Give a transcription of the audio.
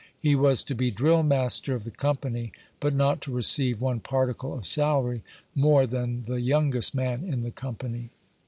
He W£3 to be drill master of the company, but not to receive one particle of salary more than the youngest man in the company.